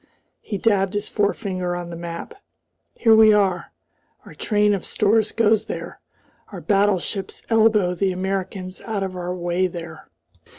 He dabbed his forefinger on the map. "Here we are. Our train of stores goes there, our battleships elbow the Americans out of our way there."